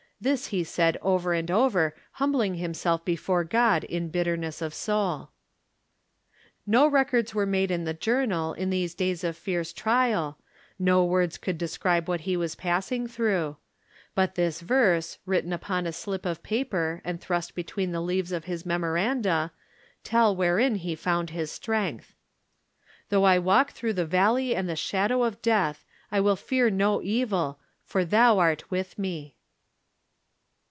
This he said over and over, humbling himself before God in bitter ness of soul. No records were made in the Journal in these days of fierce trial, no words could describe what he was passing thi'ough ; but this verse, written upon a slip of paper, and thrust between the leaves of his memoranda, tell wherein he found his strength :" Though I walk through the valley and the shadow of death, I wUl fear no evil, for thou art with me."